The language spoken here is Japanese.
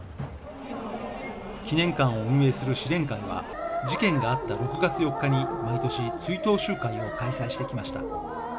記念館を運営する支連会は事件があった６月４日に毎年追悼集会を開催してきました